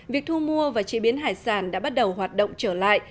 việc thu mua và chế biến hải sản đã bắt đầu hoạt động trở lại